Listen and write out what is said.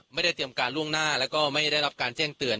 เตรียมการล่วงหน้าแล้วก็ไม่ได้รับการแจ้งเตือน